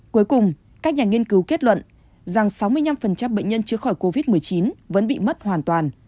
cuối cùng các nhà nghiên cứu kết luận rằng sáu mươi năm bệnh nhân chứa khỏi covid một mươi chín vẫn bị mất hoàn toàn